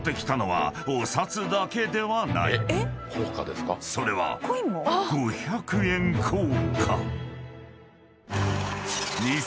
［しかし］［それは５００円硬貨］